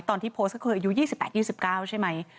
ตอนที่โพสต์ก็คืออายุ๒๘๒๙ใช่ไหม